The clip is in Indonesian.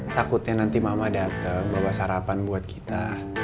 takutnya nanti mama datang bawa sarapan buat kita